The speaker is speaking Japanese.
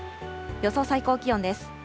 予想最高気温です。